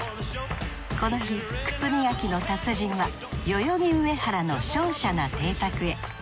この日靴磨きの達人は代々木上原のしょうしゃな邸宅へ。